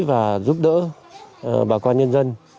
và giúp đỡ bà quan nhân dân